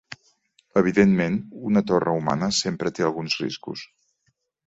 Evidentment, una torre humana sempre té alguns riscos.